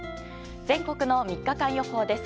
全国の３日間予報です。